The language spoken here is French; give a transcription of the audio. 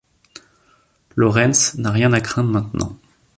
Lorenz n'a rien à craindre maintenant.